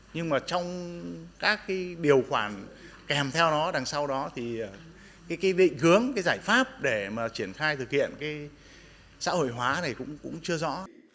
nhưng mà trong các cái điều khoản kèm theo đó đằng sau đó thì cái định hướng cái giải pháp để mà triển khai thực hiện cái xã hội hóa này cũng chưa rõ